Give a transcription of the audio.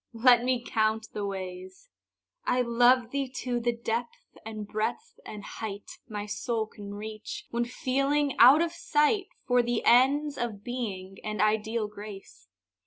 Let me count the ways. I love thee to the depth and breadth and height My soul can reach, when feeling out of sight For the ends of Being and ideal Grace.